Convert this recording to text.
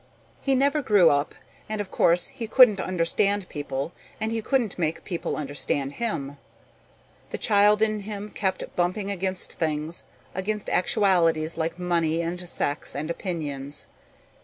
He never grew up and of course he couldn't understand people and he couldn't make people understand him. The child in him kept bumping against things, against actualities like money and sex and opinions.